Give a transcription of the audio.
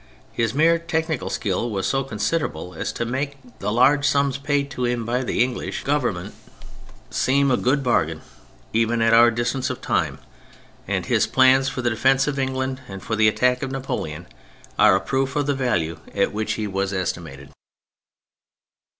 His mere technical skill was so considerable as to make the large sums paid him by the English THE CHARACTERS 67 Government seem a good bargain even at our distance of time, and his plans for the defence of England and for the attack on Napoleon are a proof of the value at which he was estimated.